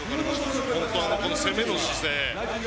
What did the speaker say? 本当に攻めの姿勢。